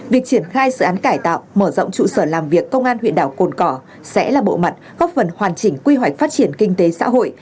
việc triển khai dự án cải tạo mở rộng trụ sở làm việc công an huyện đảo cồn cỏ sẽ là bộ mặt góp phần hoàn chỉnh quy hoạch phát triển kinh tế xã hội